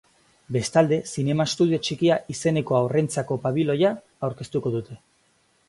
Bestalde, zinema-estudio txikia izeneko haurrentzako pabiloia aurkeztuko dute.